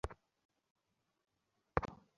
বলো, পাবে?